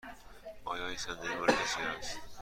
آیا این صندلی مال کسی است؟